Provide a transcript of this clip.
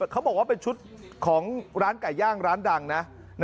เขาบอกว่าเป็นชุดของร้านไก่ย่างร้านดังนะ